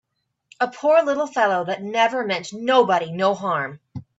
A poor little fellow that never meant nobody no harm!